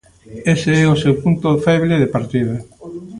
Ese é o seu punto feble de partida.